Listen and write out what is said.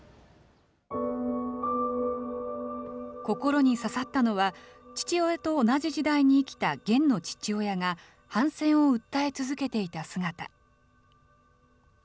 心に刺さったのは、父親と同じ時代に生きたゲンの父親が、反戦を訴え続けていた姿。